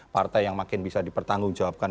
partai yang makin bisa dipertanggungjawabkan